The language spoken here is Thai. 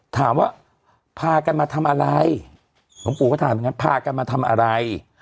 ถามว่าพากันมาทำอะไรหลวงปู่ก็ถามอย่างนั้นพากันมาทำอะไร